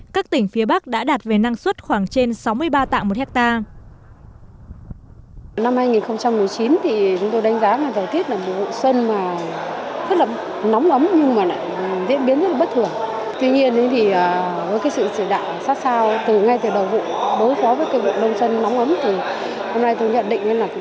các tỉnh phía bắc đã đạt về năng suất khoảng trên sáu mươi ba tạng một hectare